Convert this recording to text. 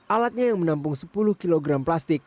alatnya yang menampung sepuluh kg plastik